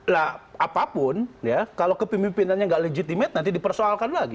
nah apapun ya kalau kepemimpinannya nggak legitimate nanti dipersoalkan lagi